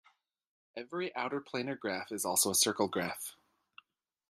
Every outerplanar graph is also a circle graph.